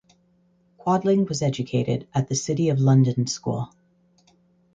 Quadling was educated at the City of London School.